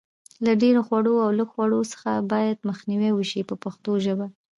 له ډېر خوړلو او لږ خوړلو څخه باید مخنیوی وشي په پښتو ژبه.